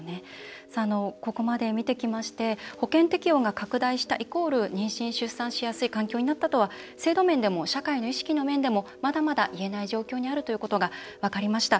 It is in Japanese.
ここまで見てきまして保険適用が拡大したイコール妊娠出産環境になったとは制度面でも社会の意識の面でもまだまだいえない状況にあるということが分かりました。